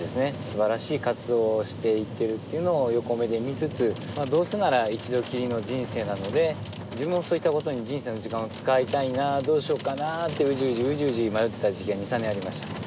素晴らしい活動をしていってるというのを横目で見つつどうせなら一度きりの人生なので自分もそういったことに人生の時間を使いたいなどうしようかなってウジウジウジウジ迷っていた時期が２３年ありました。